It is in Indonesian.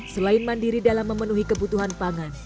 selain mandiri dalam memenuhi kebutuhan pangan